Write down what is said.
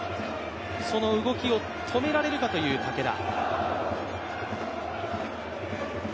その動きを止められるかという武田。